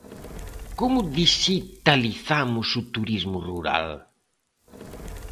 ¿Como dixitalizamos o turismo rural.